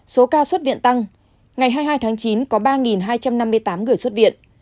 số ca xuất viện tăng ngày hai mươi hai tháng chín có ba hai trăm năm mươi tám người xuất viện